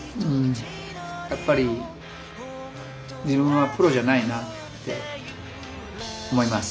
やっぱり自分はプロじゃないなって思います。